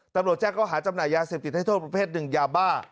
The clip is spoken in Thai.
ตำรวจแจ้งเขาหาจำหน่ายยาเสพติดให้โทษประเภทหนึ่งยาบ้า